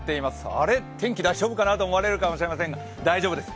あれっ、天気大丈夫かなと思われるかもしれませんが、大丈夫です。